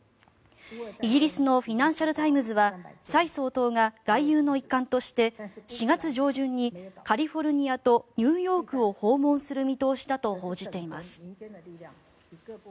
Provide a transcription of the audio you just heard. イギリスのフィナンシャル・タイムズは蔡総統が外遊の一環として４月上旬にカリフォルニアとニューヨークを訪問する見通しだと報じています。